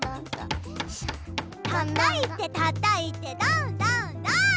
たたいてたたいてどんどんどん！